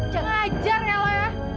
jangan ajar nela